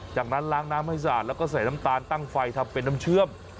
จากนั้นล้างน้ำให้สะอาดแล้วก็ใส่น้ำตาลตั้งไฟทำเป็นน้ำเชื่อม